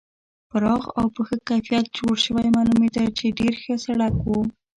پراخ او په ښه کیفیت جوړ شوی معلومېده چې ډېر ښه سړک و.